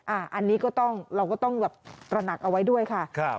อันนี้ก็ต้องเราก็ต้องแบบตระหนักเอาไว้ด้วยค่ะ